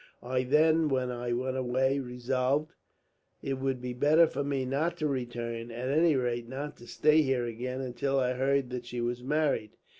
I then, when I went away, resolved it would be better for me not to return; at any rate, not to stay here again, until I heard that she was married.